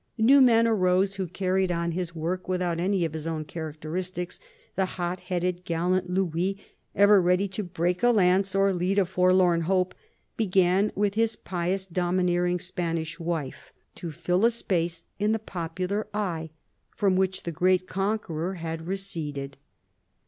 New men arose who carried on his work without any of his own characteristics. The hot headed, gallant Louis — ever ready to break a lance or lead a forlorn hope — began with his pious, domineer ing, Spanish wife, to fill a space in the popular eye from which the great conqueror had receded.